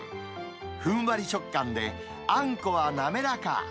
ふんわり食感で、あんこは滑らか。